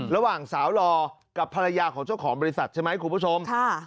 ระหว่างสาวหล่อกับภรรยาของเจ้าของบริษัทใช่ไหมคุณผู้ชม